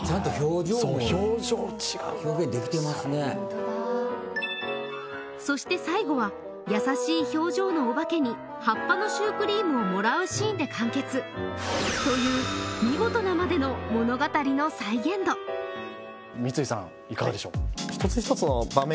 そう表情違うなってホントだそして最後は優しい表情のおばけに葉っぱのシュークリームをもらうシーンで完結という見事なまでの物語の再現度三井さんいかがでしょう？